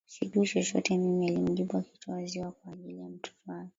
Sijui chochote mimi alimjibu akitoa ziwa kwa ajili ya mtoto wake